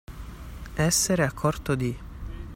Essere a corto di.